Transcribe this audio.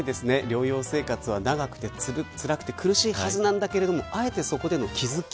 療養生活は長くてつらくて苦しいはずなんだけどあえて、そこでの気付き